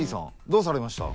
どうされました？